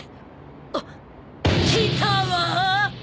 あっ来たわっ！